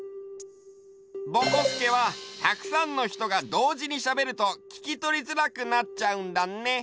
ぼこすけはたくさんのひとがどうじにしゃべるとききとりづらくなっちゃうんだね。